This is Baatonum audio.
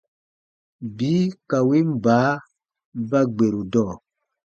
Bii ka win baa ba gberu dɔɔ.